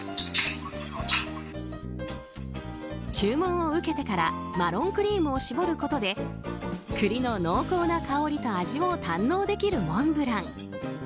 注文を受けてからマロンクリームを搾ることで栗の濃厚な香りと味を堪能できるモンブラン。